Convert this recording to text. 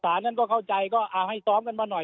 สาวนั้นเข้าใจให้ซ้อมกันมาหน่อย